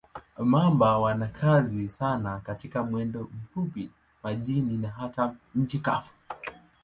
Mamba wana kasi sana katika mwendo mfupi, majini na hata nchi kavu.